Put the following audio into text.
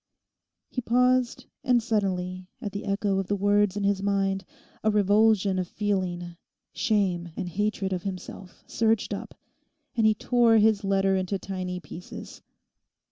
He paused, and suddenly, at the echo of the words in his mind, a revulsion of feeling—shame and hatred of himself surged up, and he tore his letter into tiny pieces.